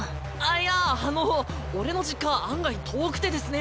いやあの俺の実家案外遠くてですね